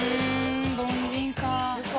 凡人か。